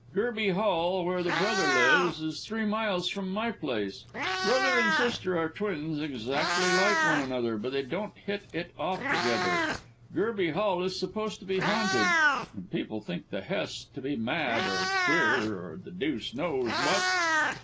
Gerby Hall, where the brother lives, is three miles from my place. Brother and sister are twins and exactly like one another, but they don't hit it off together. Gerby Hall is supposed to be haunted, and people think the Hests to be mad, or queer, or the deuce knows what."